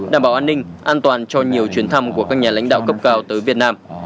đảm bảo an ninh an toàn cho nhiều chuyến thăm của các nhà lãnh đạo cấp cao tới việt nam